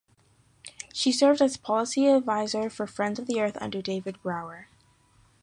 She served as policy adviser for Friends of the Earth under David Brower.